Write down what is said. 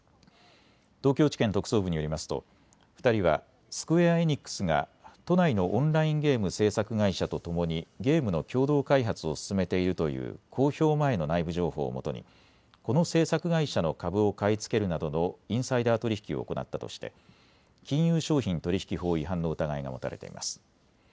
東京地検特捜部によりますと２人はスクウェア・エニックスが都内のオンラインゲーム制作会社とともにゲームの共同開発を進めているという公表前の内部情報をもとにこの制作会社の株を買い付けるなどのインサイダー取引を行ったとして金融商品取引法違反の疑いが持たれています。